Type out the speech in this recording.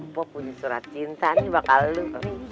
apa punya surat cinta nih bakal lu